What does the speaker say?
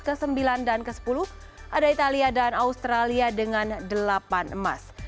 ke sembilan dan ke sepuluh ada italia dan australia dengan delapan emas